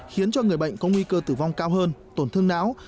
khiến cho người bệnh có nguy cơ tử vong cao hơn tổn thương não